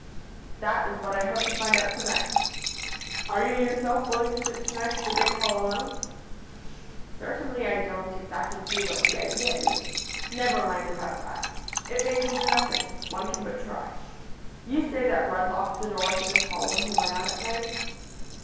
"'That is what I hope to find out to night? Are you yourself willing to sleep to night in the big hall alone?' "'Certainly. I don't exactly see what the idea is.' "'Never mind about that. It may come to nothing. One can but try. You say that Rudd locked the door to this hall when he went out at night?'